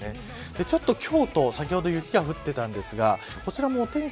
ちょっと京都先ほど雪が降っていたんですがこちらもお天気